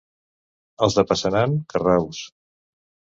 Els de Passanant, carraus.